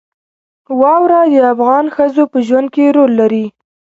واوره د افغان ښځو په ژوند کې رول لري.